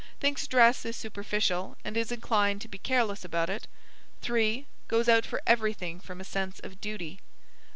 Thinks dress is superficial, and is inclined to be careless about it. 3. Goes out for everything from a sense of duty.